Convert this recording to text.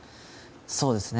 そうですね。